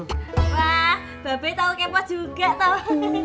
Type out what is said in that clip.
wah babe tau kepo juga tau